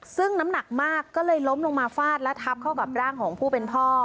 ซึ่งน้ำหนักมากก็เลยล้มลงมาฟาดและทับเข้ากับร่างของผู้เป็นพ่อ